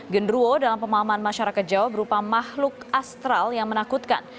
genruo dalam pemahaman masyarakat jawa berupa makhluk astral yang menakutkan